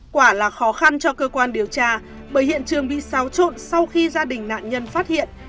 quả là khó khăn cho cơ quan điều tra bởi hiện trường bị xáo trộn sau khi gia đình nạn nhân phát hiện